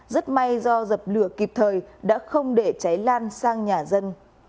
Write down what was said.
rất may do dập lửa kịp thời đã không để cháy lan sang nhà dân